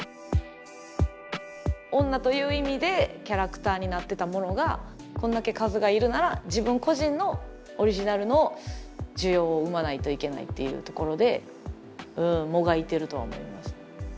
女という意味でキャラクターになってたものがこんだけ数がいるなら自分個人のオリジナルの需要を生まないといけないっていうところでもがいてるとは思いますね。